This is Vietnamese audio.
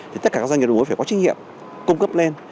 thì tất cả các doanh nghiệp đồng hối phải có trích hiệu cung cấp lên